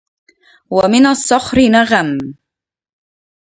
ومن الصخر نغم!